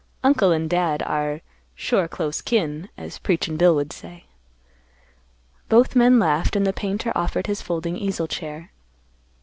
Uncle and Dad are 'sure close kin,' as Preachin' Bill would say." Both men laughed, and the painter offered his folding easel chair.